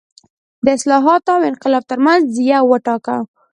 د اصلاحاتو او انقلاب ترمنځ یو وټاکه.